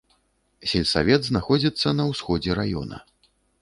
Сельсавет знаходзіцца на ўсходзе раёна.